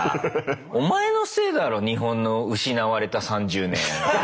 お前のせいだろ日本の失われた３０年。